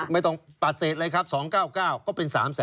ไม่ต้องปัดเศษเลยครับ๒๙๙ก็เป็น๓๐๐๐๐๐ล้านบาท